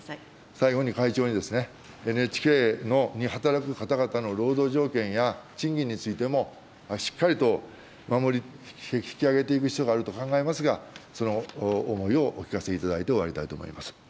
最後に会長に、ＮＨＫに働く方々の労働条件や、賃金についても、しっかりと守り、引き上げていく必要があると考えますが、その思いをお聞かせいただいて終わりたいと思います。